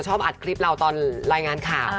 ชอบอัดคลิปเราตอนรายงานข่าว